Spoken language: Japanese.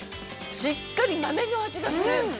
◆しっかり豆の味がする。